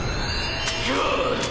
ゴールド！